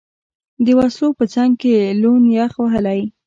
د وسلو په څنګ کې، لوند، یخ وهلی.